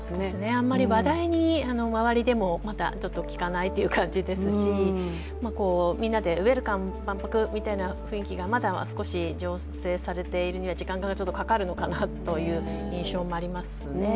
あまり話題に、周りでもまだ聞かないという感じですしみんなでウェルカム万博みたいな雰囲気がまだ少し、醸成されるには時間がかかるのかなという印象もありますね。